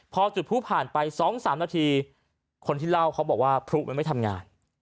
พอจุดผู้ผ่านไป๒๓นาทีคนที่เล่าเขาบอกว่าพลุมันไม่ทำงาน